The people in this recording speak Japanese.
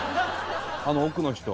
あの奥の人」